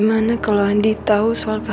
ada kira dapet